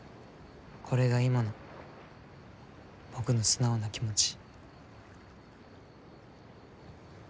これが今の僕の素直な気持ち。